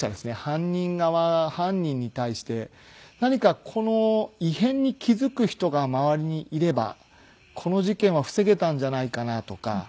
犯人側犯人に対して何かこの異変に気付く人が周りにいればこの事件は防げたんじゃないかなとか。